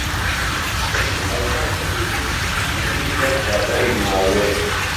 شهش و حهوتان دهکوژم ئهمنیش وهک کابرای نواوێ